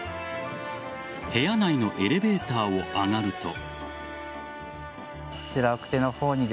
部屋内のエレベーターを上がると。